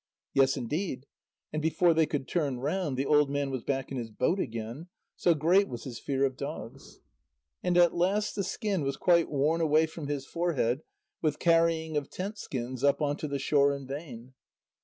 "Yes, indeed." And before they could turn round, the old man was back in his boat again, so great was his fear of dogs. And at last the skin was worn quite away from his forehead with carrying of tent skins up on to the shore in vain.